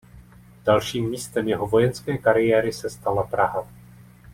Dalším místem jeho vojenské kariéry se stala Praha.